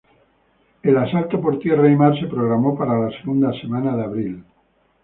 El asalto por tierra y mar se programó para la segunda semana de abril.